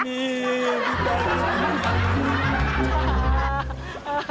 mami aku takut